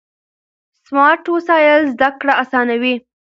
سمارټ وسایل زده کړه اسانوي.